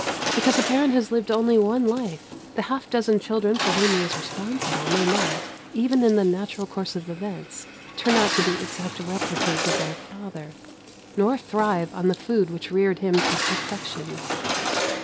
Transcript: Because a parent has lived only one life, the half dozen children for whom he is responsible may not, even in the natural course of events, turn out to be exact replicas of their father, nor thrive on the food which reared him to perfection.